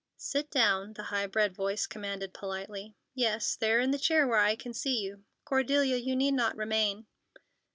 "Sit down," the high bred voice commanded politely. "Yes, there in the chair where I can see you. Cordelia, you need not remain."